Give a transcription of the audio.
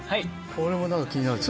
これも何か気になる。